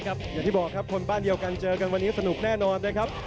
ก่อนตลอดไปถึงภูมิย่ากันแขนมันนะครับ